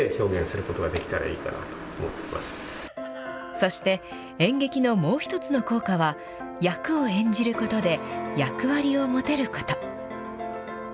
そして、演劇のもう一つの効果は、役を演じることで、役割を持てること。